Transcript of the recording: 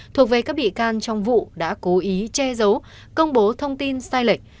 thuộc về các bị can trong vụ đã cố ý che giấu công bố thông tin sai lệch